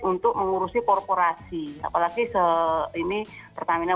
untuk mengurusi korporasi apalagi ini pertamina